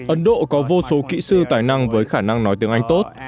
ấn độ có vô số kỹ sư tài năng với khả năng nói tiếng anh tốt